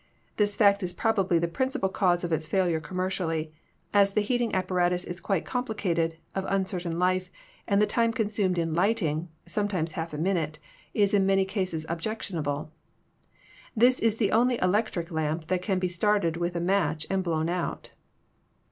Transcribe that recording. This fact is probably the principal cause of its failure commercially, as the heating apparatus is quite complicated, of uncertain life, and the time consumed in lighting (sometimes half a minute) is in many cases objectionable. This is the only electric lamp that can be started with a match and blown out.